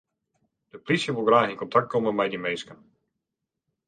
De plysje wol graach yn kontakt komme mei dy minsken.